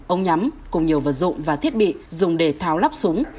ống nhắm cùng nhiều vật dụng và thiết bị dùng để tháo lắp súng